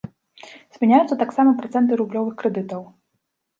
Змяняюцца таксама працэнты рублёвых крэдытаў.